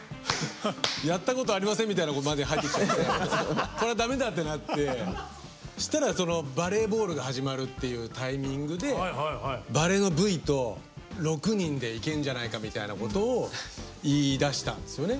やったことありませんみたいな子まで入ってきちゃってこれは駄目だってなってそしたらそのバレーボールが始まるっていうタイミングでバレーのＶと６人でいけんじゃないかみたいなことを言いだしたんですよね。